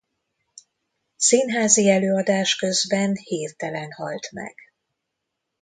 Színházi előadás közben hirtelen halt meg.